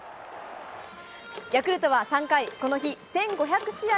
ヤクルトは３回、この日１５００試合